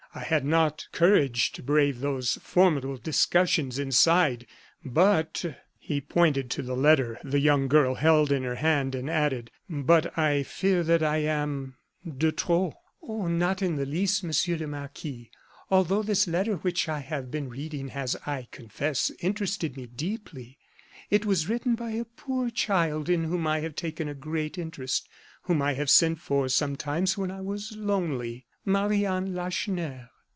I had not courage to brave those formidable discussions inside; but " He pointed to the letter the young girl held in her hand, and added: "But I fear that I am de trop." "Oh! not in the least, Monsieur le Marquis, although this letter which I have just been reading has, I confess, interested me deeply. It was written by a poor child in whom I have taken a great interest whom I have sent for sometimes when I was lonely Marie Anne Lacheneur."